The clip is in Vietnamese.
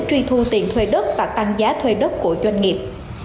truy thu tiền thuê đất và tăng giá thuê đất của doanh nghiệp